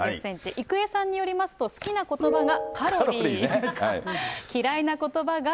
郁恵さんによりますと、好きなことばがカロリー。